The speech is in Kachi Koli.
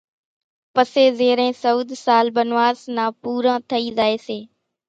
پسي زيرين سئوۮ سال بنواس نان پوران ٿئي زائي سي